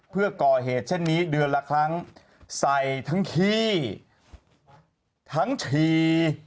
เพื่อก่อเหตุเช่นนี้เดือนละครั้งใส่ทั้งขี้ทั้งชี